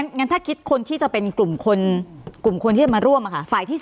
งั้นถ้าคิดคนที่จะเป็นกลุ่มคนที่จะมาร่วมฝ่ายที่๓